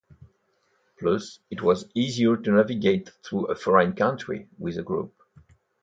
Plus, it was easier to navigate through a foreign country with a group.